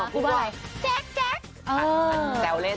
พูดกันบ้าไหม